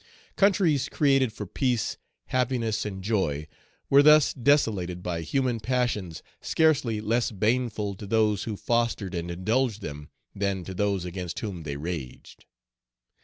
Countries created for peace, happiness, and joy were thus desolated by human passions scarcely less baneful to those who fostered and indulged them than to those against whom they raged.